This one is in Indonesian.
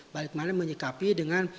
balik kemana menyikapi dengan